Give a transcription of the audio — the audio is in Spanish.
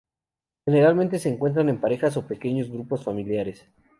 Generalmente se encuentran en parejas o pequeños grupos familiares.